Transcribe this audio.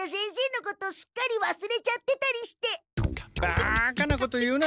バカなこと言うな！